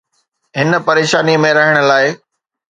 هن پريشاني ۾ رهڻ لاء.